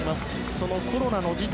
そのコロナの辞退